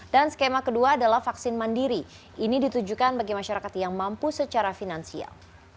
dan skema kedua adalah vaksin mandiri ini ditujukan bagi masyarakat yang mampu secara finansial